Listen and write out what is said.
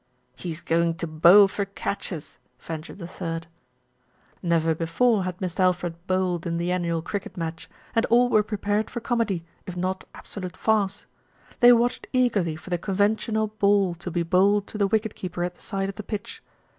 "He's going to bowl for catches," ventured a third. SMITH BECOMES A POPULAR HERO 199 Never before had Mist' Alfred bowled in the annual cricket match, and all were prepared for comedy, if not absolute farce. They watched eagerly for the conven tional ball to be bowled to the wicket keeper at the side of the pitch.